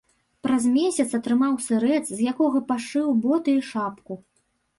Праз месяц атрымаў сырэц, з якога пашыў боты і шапку.